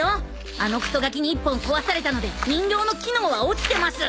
あのクソガキに１本壊されたので人形の機能は落ちてます！